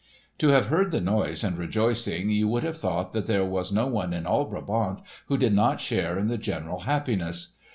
To have heard the noise and rejoicing you would have thought that there was no one in all Brabant who did not share in the general happiness.